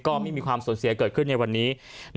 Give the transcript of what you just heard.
ไม่มีความสูญเสียเกิดขึ้นในวันนี้